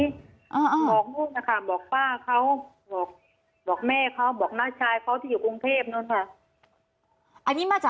บอกนู้นนะคะบอกป้าเขาบอกแม่เขาบอกหน้าชายเขาที่อยู่กรุงเทพนู้นค่ะ